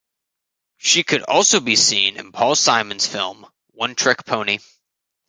She could also be seen in Paul Simon's film "One Trick Pony".